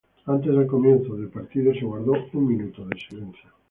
Antes del comienzo del partido se guardó un minuto de silencio.